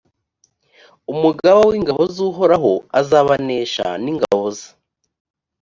umugaba w’ingabo z’uhoraho azabanesha ni ngabo ze.